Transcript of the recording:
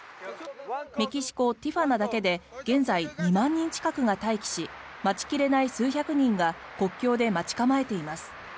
メキシコ・ティフアナだけで現在、２万人近くが待機し待ち切れない数百人が国境で待ち構えています。